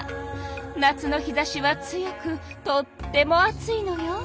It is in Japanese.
夏の日ざしは強くとっても暑いのよ。